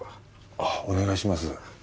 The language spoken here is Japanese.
あっお願いします。